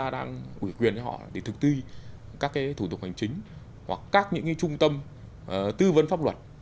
để thực tư các thủ tục hành chính hoặc các những trung tâm tư vấn pháp luật